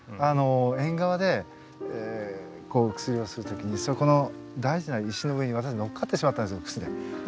縁側で薬をする時にそこの大事な石の上に私乗っかってしまったんですよ靴で。